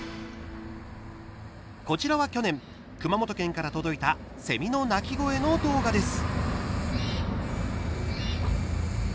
こちらは去年、熊本県から届いたセミの鳴き声の動画です。